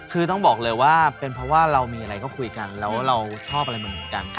คือต้องบอกเลยว่าเป็นเพราะว่าเรามีอะไรก็คุยกันแล้วเราชอบอะไรมันเหมือนกัน